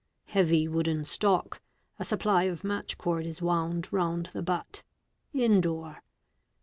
Heavy wooden stock ; a supply of match cord is wound round the butt. Indore.